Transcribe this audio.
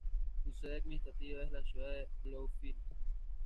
Su sede administrativa es la ciudad de Bluefields.